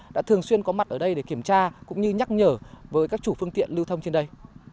đã thường xuyên có mặt ở đây để kiểm tra cũng như nhắc nhở với các chủ phương tiện lưu thông trên đây